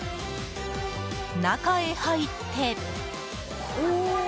中へ入って。